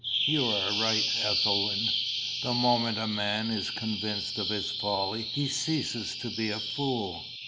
"You are right, Ethelwyn. The moment a man is convinced of his folly, he ceases to be a fool.